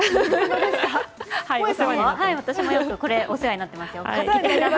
私もよくお世話になっています。